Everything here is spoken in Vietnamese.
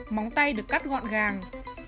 hai móng tay được cắt gọn gàng